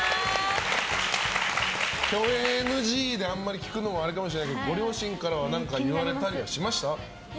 共演ＮＧであまり聞くのはあれかもしれないけどご両親からは何か言われたりしましたか？